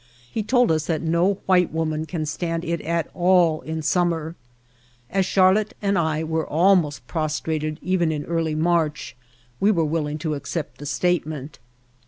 He told us that no white woman can stand it at all in sum mer. As Charlotte and I were almost pros trated even in early March, we are willing to accept the statement.